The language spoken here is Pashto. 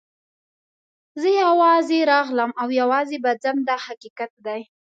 زه یوازې راغلم او یوازې به ځم دا حقیقت دی.